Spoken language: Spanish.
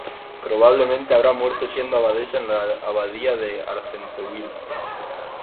Probablemente habrá muerto siendo abadesa en la Abadía de Argenteuil.